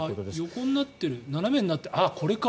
横になってる斜めになってる、これか。